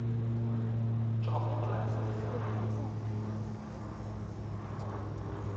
Cho' bɨlàŋgi sɨ a va ɨwùyn.